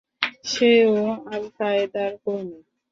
সে ও আল-কায়েদার কর্মী।